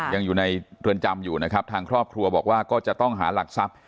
ยังอยู่ในเรือนจำอยู่นะครับทางครอบครัวบอกว่าก็จะต้องหาหลักทรัพย